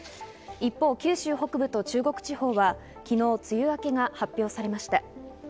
一方、九州北部と中国地方は昨日、梅雨明けが発表されました。